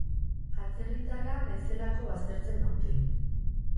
Atzerritarra naizelako baztertzen naute.